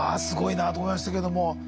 すごいなと思いましたけども。